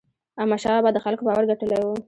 احمدشاه بابا د خلکو باور ګټلی و.